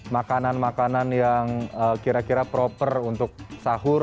makanan makanan yang kira kira proper untuk sahur